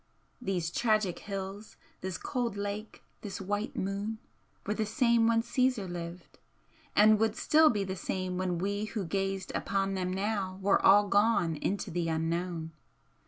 These tragic hills, this cold lake, this white moon, were the same when Caesar lived, and would still be the same when we who gazed upon them now were all gone into the Unknown.